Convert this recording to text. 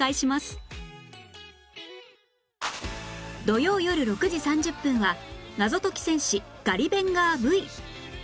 土曜よる６時３０分は『謎解き戦士ガリベンガー Ｖ』